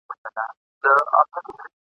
د خیالي رباب شرنګی دی تر قیامته په غولیږو ..